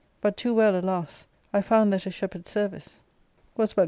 But too well, alas ! I found that a shepherd's service was but 126 ARCADIA.